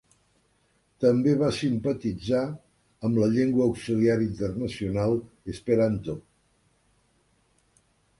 També va simpatitzar amb la llengua auxiliar internacional esperanto.